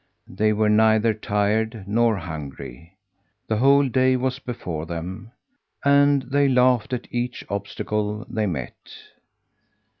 They were neither tired nor hungry. The whole day was before them, and they laughed at each obstacle they met.